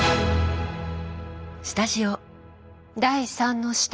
第３の視点は。